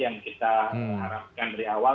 yang kita harapkan dari awal